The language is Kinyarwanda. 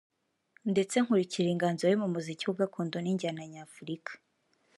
ndetse nkurikira inganzo ye mu muziki wa gakondo n’injyana nyafurika